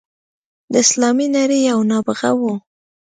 د اسلامي نړۍ یو نابغه وو.